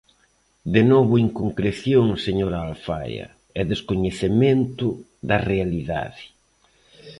De novo inconcreción, señora Alfaia, e descoñecemento da realidade.